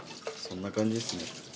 そんな感じですね。